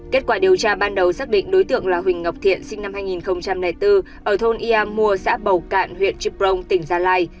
kết quả điều tra ban đầu xác định đối tượng là huỳnh ngọc thiện sinh năm hai nghìn bốn ở thôn ia mua xã bầu cạn huyện trư prong tỉnh gia lai